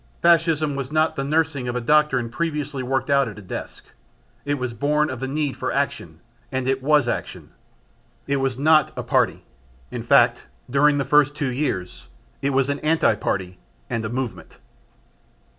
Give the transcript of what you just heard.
Fascism was not the nursling of a doctrine previously worked out at a desk; it was born of the need for action and it was action. It was not a party, in fact during the first two years, it was an anti party and a movement.